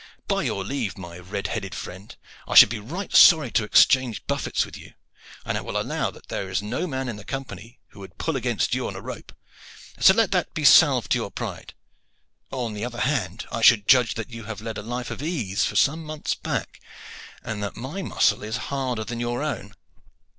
By your leave, my red headed friend, I should be right sorry to exchange buffets with you; and I will allow that there is no man in the Company who would pull against you on a rope; so let that be a salve to your pride. On the other hand I should judge that you have led a life of ease for some months back, and that my muscle is harder than your own.